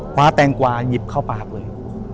แตงกวาหยิบเข้าปากเลย